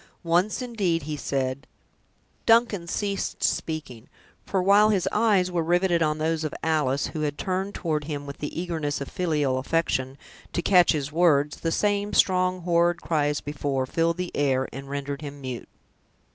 Once, indeed, he said—" Duncan ceased speaking; for while his eyes were riveted on those of Alice, who had turned toward him with the eagerness of filial affection, to catch his words, the same strong, horrid cry, as before, filled the air, and rendered him mute.